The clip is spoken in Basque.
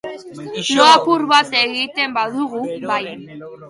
Lo apur bat egiten badugu, bai.